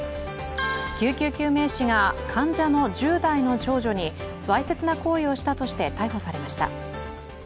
救急救命士が患者の１０代の少女にわいせつな行為をしたとして逮捕されました。